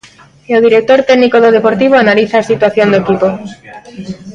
E o director técnico do Deportivo analiza a situación do equipo.